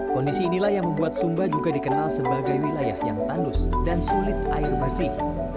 kondisi inilah yang membuat sumba juga dikenal sebagai wilayah yang tandus dan sulit air bersih